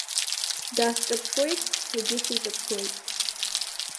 Даасҿаԥшуеит, саргьы сиҿаԥшуеит.